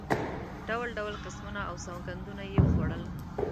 ډول ډول قسمونه او سوګندونه یې خوړل.